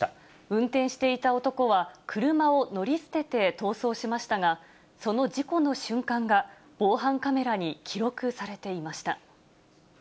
運転していた男は、車を乗り捨てて逃走しましたが、その事故の瞬間が防犯カメラに記録されていました。